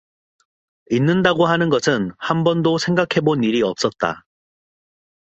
잊는다고 하느 것은 한 번도 생각 해본 일이 없었다.